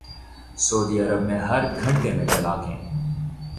سعودی عرب میں ہر گھنٹے میں طلاقیں